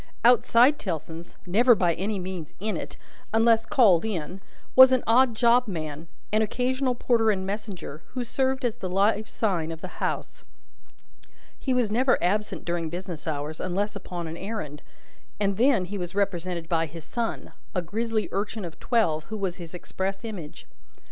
Outside Tellson's never by any means in it, unless called in was an odd job man, an occasional porter and messenger, who served as the live sign of the house. He was never absent during business hours, unless upon an errand, and then he was represented by his son: a grisly urchin of twelve, who was his express image.